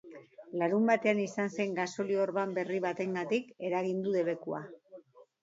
Larunbatean izan zen gasolio-orban berri batengatik eragin du debekua.